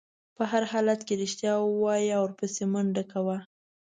په هر حالت کې رښتیا ووایه او ورپسې منډه کوه.